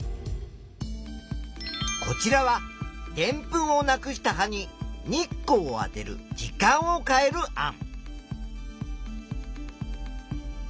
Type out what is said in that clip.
こちらはでんぷんをなくした葉に日光をあてる時間を変える案。